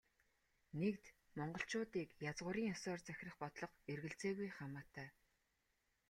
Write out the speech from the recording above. Нэгд, монголчуудыг язгуурын ёсоор захирах бодлого эргэлзээгүй хамаатай.